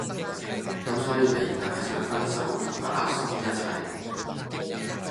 咁所以你依家係想分手同個阿叔一齊